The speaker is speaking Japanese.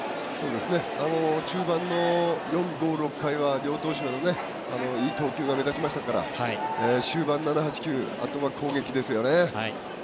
中盤の４、５、６回は両投手のいい投球が目立ちましたから終盤７、８、９あとは攻撃ですよね。